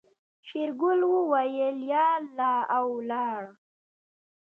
شېرګل وويل يا الله او ولاړ.